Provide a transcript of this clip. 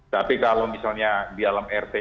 tapi kalau misalnya di alam rt